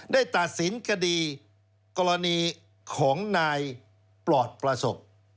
ตัดสินคดีกรณีของนายปลอดประสบ